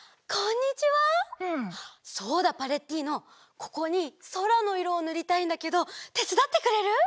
ここにそらのいろをぬりたいんだけどてつだってくれる？